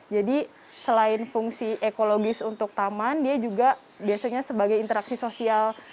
jadi selain fungsi ekologis untuk taman dia juga biasanya sebagai interaksi sosial